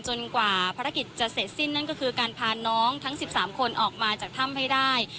กว่าภารกิจจะเสร็จสิ้นนั่นก็คือการพาน้องทั้ง๑๓คนออกมาจากถ้ำให้ได้